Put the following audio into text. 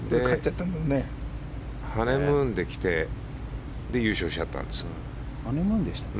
ハネムーンで来て優勝しちゃったんですよ。